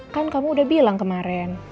kan kamu udah bilang kemarin